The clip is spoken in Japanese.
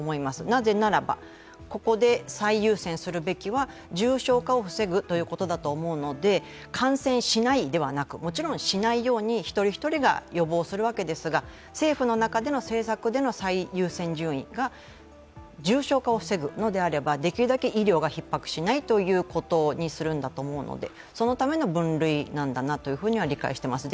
なぜならば、ここで最優先するべきは重症化を防ぐということだと思うので感染しないではなく、もちろんしないように一人一人が予防するわけですが、政府の中での政策での最優先順位が重症化を防ぐのであればできるだけ医療がひっ迫しないというようなことにすると思うのでそのための分類なんだなというふうには理解しています。